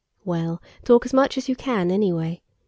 "Well, talk as much as you can, anyway.